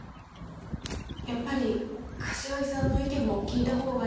やっぱり柏木さんの意見も聞いた方がいいのでは。